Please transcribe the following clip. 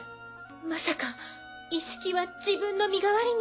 まさかイッシキは自分の身代わりに。